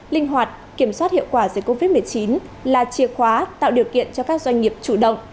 linh hoạt kiểm soát hiệu quả dịch covid một mươi chín là chìa khóa tạo điều kiện cho các doanh nghiệp chủ động